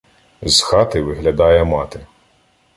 З хати виглядає мати: